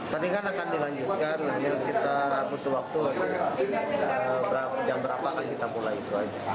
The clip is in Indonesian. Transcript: tandingan akan dilanjutkan jika kita butuh waktu jam berapa akan kita mulai